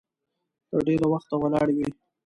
تر ډېره وخته ولاړې وي.